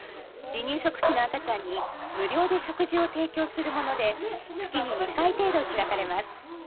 離乳食期の赤ちゃんに無料で食事を提供するもので月に２回程度開かれます。